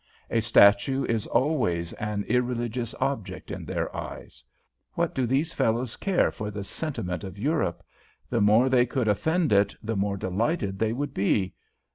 A statue is always an irreligious object in their eyes. What do these fellows care for the sentiment of Europe? The more they could offend it the more delighted they would be.